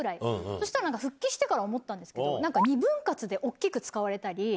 そしたらなんか復帰してから思ったんですけど、なんか、２分割で大きく使われたり。